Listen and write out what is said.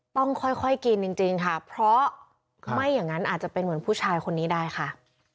ต้องค่อยกินจริงค่ะเพราะไม่อย่างนั้นอาจจะเป็นเหมือนผู้ชายคนนี้ได้ค่ะ